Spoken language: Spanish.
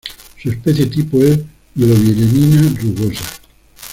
Su especie tipo es "Globigerina rugosa".